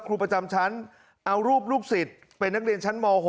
ครูประจำชั้นเอารูปลูกศิษย์เป็นนักเรียนชั้นม๖